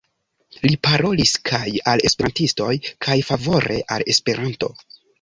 Li parolis kaj al Esperantistoj kaj favore al Esperanto.